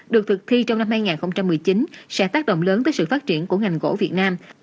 được thực thi trong năm hai nghìn một mươi chín sẽ tác động lớn tới sự phát triển của ngành gỗ việt nam